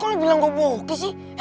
kok lu bilang gua bohokis sih